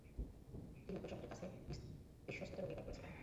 তিনি মুঘল সম্রাটের কাছে বিশ্বস্ততার অঙ্গীকার করেছিলেন।